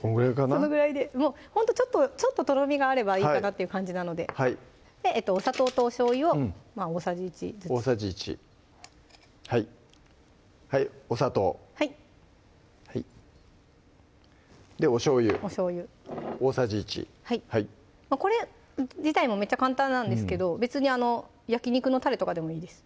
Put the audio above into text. そのぐらいでもうほんとちょっととろみがあればいいかなっていう感じなのでお砂糖とおしょうゆを大さじ１ずつお砂糖はいおしょうゆ大さじ１はいこれ自体もめっちゃ簡単なんですけど別にあの焼き肉のたれとかでもいいです